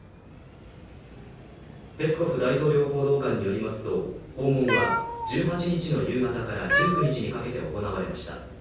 ペスコフ大統領報道官によりますと訪問は１８日の夕方から１９日の夕方にかけて行われました。